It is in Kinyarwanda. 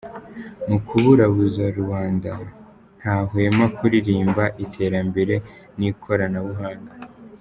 Mu kuburabuza rubanda, ntahwema kuririmba iterambere n’ikorana buhanga.